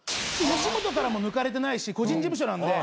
吉本からも抜かれてないし個人事務所なんで。